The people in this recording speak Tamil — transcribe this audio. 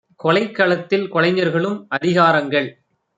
கொலைக்களத்தில் கொலைஞர்களும் அதிகா ரங்கள்